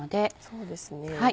そうですね。